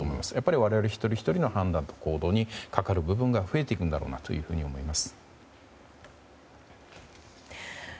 我々一人ひとりの判断と行動にかかる部分が増えていくんだろうと思います。